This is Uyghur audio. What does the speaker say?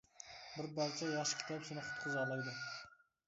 بىر پارچە ياخشى كىتاب سېنى قۇتقۇزالايدۇ.